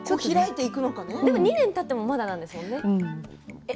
まだ２年たってもまだなんですよね。